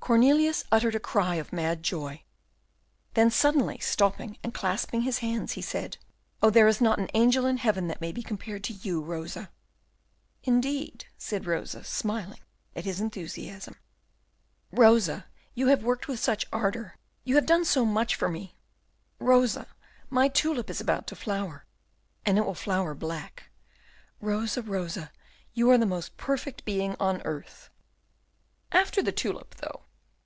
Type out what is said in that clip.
Cornelius uttered a cry of mad joy. Then, suddenly stopping and clasping his hands, he said, "Oh, there is not an angel in heaven that may be compared to you, Rosa!" "Indeed!" said Rosa, smiling at his enthusiasm. "Rosa, you have worked with such ardour, you have done so much for me! Rosa, my tulip is about to flower, and it will flower black! Rosa, Rosa, you are the most perfect being on earth!" "After the tulip, though."